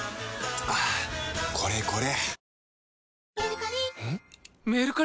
はぁこれこれ！